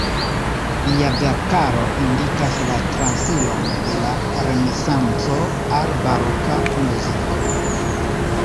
Lia verkaro indikas la transiron de la renesanco al baroka muziko.